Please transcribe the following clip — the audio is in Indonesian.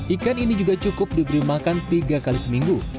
ikan ini juga cukup diberi makan tiga kali seminggu